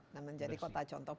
nah menjadi kota contoh